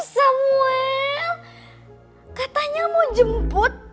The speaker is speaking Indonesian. samuel katanya mau jemput